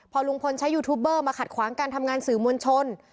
พอลุงพลใช้ยูทูบเบอร์มาขัดขวางการทำงานสื่อมวลชน